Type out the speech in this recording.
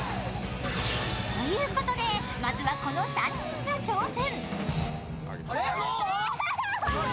ということで、まずはこの３人が挑戦。